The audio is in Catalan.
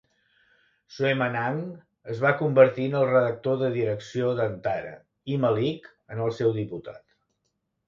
Soemanang es va convertir en el redactor de direcció d'Antara i Malik en el seu diputat.